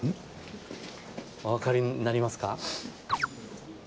お分かりになりますか？